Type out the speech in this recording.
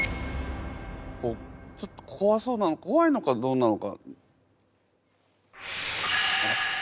ちょっとこわそうなのこわいのかどうなのか。